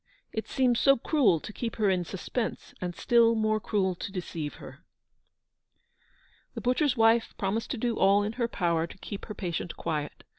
it seems so cruel to keep her in suspense, and still more cruel to deceive her." The butcher's wife promised to do all in her power to keep her patient quiet.